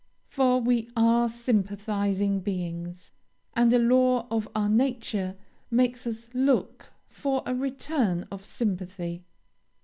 For we are sympathizing beings, and a law of our nature makes us look for a return of sympathy.